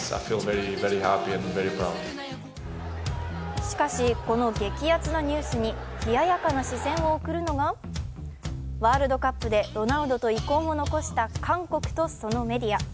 しかし、この激アツなニュースに冷やかな視線を送るのはワールドカップでロナウドと遺恨を残した韓国とそのメディア。